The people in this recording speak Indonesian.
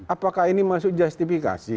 apakah ini masuk justifikasi